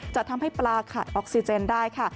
จะทำให้ปลาขาดออกซิเจนได้ค่ะ